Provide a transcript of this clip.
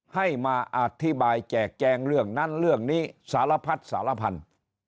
ให้มาอธิบายแจกแจงเรื่องนั้นเรื่องนี้สารพัดสารพันธุ์